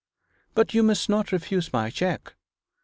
'But you must not refuse my cheque.'